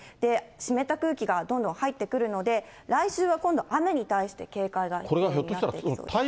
湿った空気がどんどん入ってくるので、来週は今度、雨に対して警戒が必要になってきます。